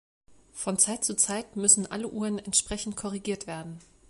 Von Zeit zu Zeit müssen alle Uhren entsprechend korrigiert werden.